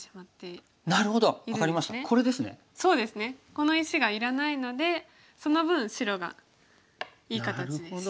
この石がいらないのでその分白がいい形です。